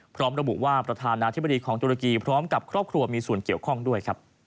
พร้อมระบุว่าประธานาธิบดีของตุรกีพร้อมกับครอบครัวมีส่วนเกี่ยวข้องด้วยครับ